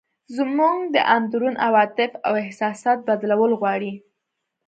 زموږ د اندرون عواطف او احساسات بدلول غواړي.